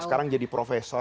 sekarang jadi profesor